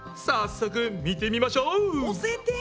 早速見てみましょう！